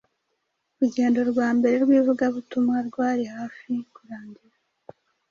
Urugendo rwa mbere rw’ivugabutumwa rwari hafi kurangira.